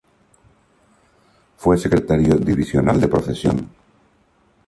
Fue secretario divisional de profesión.